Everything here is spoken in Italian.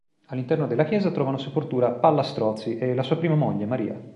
All'interno della chiesa trovavano sepoltura Palla Strozzi e la sua prima moglie, Maria.